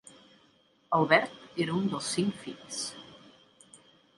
Albert era un dels cinc fills.